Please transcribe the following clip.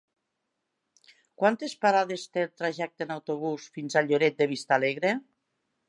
Quantes parades té el trajecte en autobús fins a Lloret de Vistalegre?